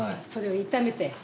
それを炒めて。